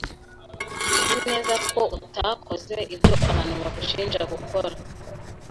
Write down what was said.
Nzi neza ko utakoze ibyo abantu bagushinja gukora.